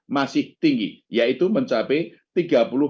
masih tinggi yaitu mencapai